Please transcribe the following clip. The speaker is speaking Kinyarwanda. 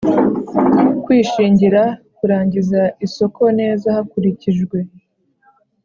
kwishingira kurangiza isoko neza hakurikijwe